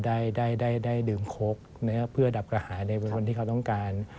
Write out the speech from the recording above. ได้ดื่มโค้กเพื่อดับกระหาในคนที่เขาต้องการ